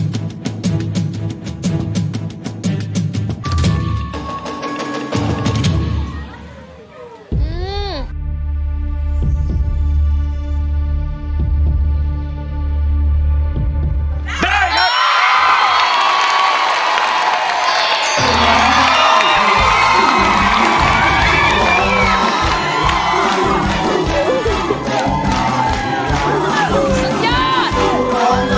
สวัสดีครับ